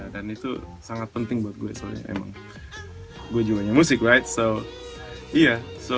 dan itu sangat penting buat gue soalnya emang gue juga ngerti musik so